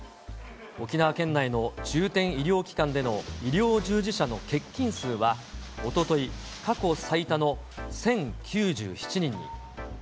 沖縄県内の重点医療機関での医療従事者の欠勤数は、おととい過去最多の１０９７人に。